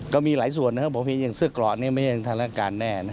ก็มีหลายส่วนอย่างเสื้อกรอไม่ใช่ทางราชการแน่